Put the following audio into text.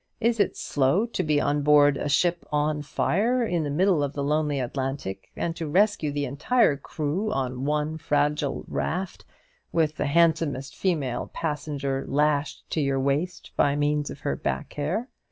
Is it slow to be on board a ship on fire in the middle of the lonely Atlantic, and to rescue the entire crew on one fragile raft, with the handsomest female passenger lashed to your waist by means of her back hair?